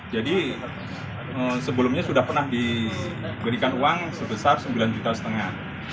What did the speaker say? jadi sebelumnya sudah pernah diberikan uang sebesar sembilan juta setengah